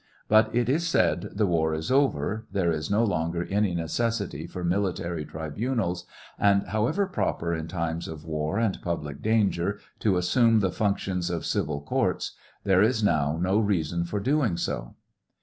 But it is said the war is over, there is no longer any necessity for military tribunals, and however proper in times of war and public danger to assume the functions of civil courts, there is now no reason for doing so.